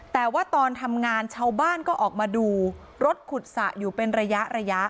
แต่ว่าตอนทำงานชาวบ้านก็ออกมาดูรถขุดสระอยู่เป็นระยะ